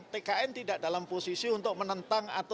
tkn tidak dalam posisi untuk menentang